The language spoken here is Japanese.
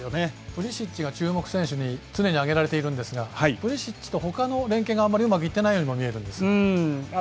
プリシッチが注目選手に常に挙げられているんですがプリシッチと他の選手との連係があまりうまくいっていないように見えるんですが。